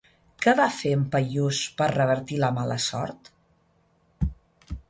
Què va fer en Paiús per revertir la mala sort?